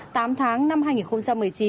tám tháng năm hai nghìn một mươi chín